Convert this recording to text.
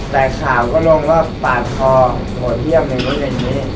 แต่ข่าวก็ลงว่าปากคอโหดเยี่ยมในวันอันดันนี้